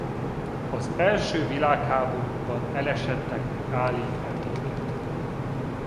Az első világháborúban elesetteknek állít emléket.